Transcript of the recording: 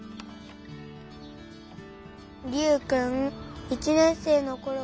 「りゅうくん１年生のころは」。